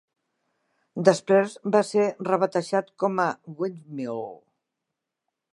Després va ser rebatejat com a Windmill.